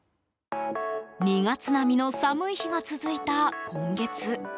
２月並みの寒い日が続いた今月。